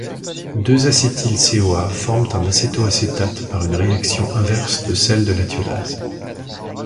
Deux acétyl-CoA forment un acétoacétate par une réaction inverse de celle de la thiolase.